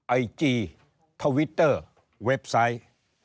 ไอจีทวิตเตอร์เว็บไซต์